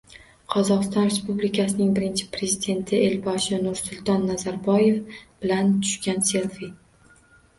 Qozog'iston Respublikasining Birinchi Prezidenti Elboshi Nursulton Nazarboyev bilan tushgan selfi